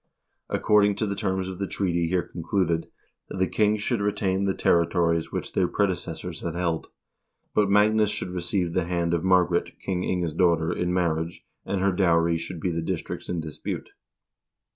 According to the terms of the treaty here con cluded, the kings should retain the territories which their predeces sors had held, but Magnus should receive the hand of Margaret, King Inge's daughter, in marriage, and her dowry should be the districts in dispute.